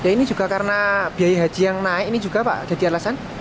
ini juga karena biaya haji yang naik ini juga pak jadi alasan